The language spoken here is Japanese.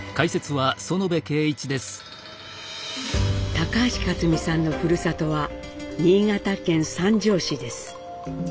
高橋克実さんのふるさとは新潟県三条市です。